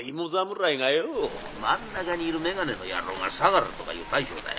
「真ん中にいる眼鏡の野郎が相楽とかいう大将だよ」。